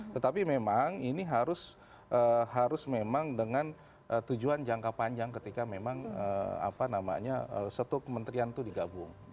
tetapi memang ini harus memang dengan tujuan jangka panjang ketika memang satu kementerian itu digabung